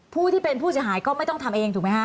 ผู้ที่เป็นผู้เสียหายก็ไม่ต้องทำเองถูกไหมฮะ